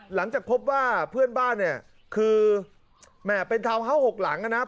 หลังจากพบว่าเพื่อนบ้านเนี่ยคือแม่เป็นทาวน์เฮาส์๖หลังนะครับ